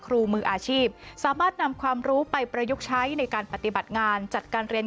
มืออาชีพสามารถนำความรู้ไปประยุกต์ใช้ในการปฏิบัติงานจัดการเรียน